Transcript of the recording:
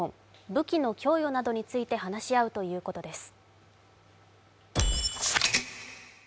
武器の供与などについて話し合うということです。